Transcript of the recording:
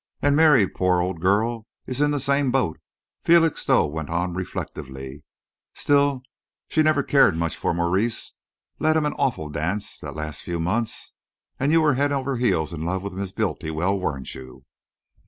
"And Mary, poor old girl, is in the same boat," Felixstowe went on reflectively. "Still, she never cared much for Maurice ... led him an awful dance, the last few months. And you were head over heels in love with Miss Bultiwell, weren't you?"